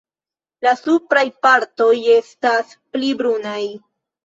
La supraj partoj estas pli brunaj.